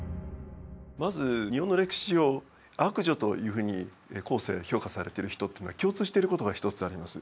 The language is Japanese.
まず日本の歴史上悪女というふうに後世評価されてる人っていうのは共通してることが一つあります。